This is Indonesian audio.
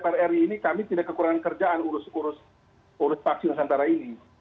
sekali lagi dpr ri ini kami tidak kekurangan kerjaan urus urus vaksin nusantara ini